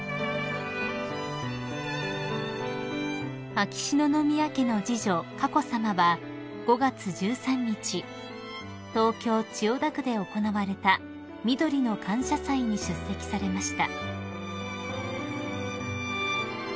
［秋篠宮家の次女佳子さまは５月１３日東京千代田区で行われたみどりの感謝祭に出席されました］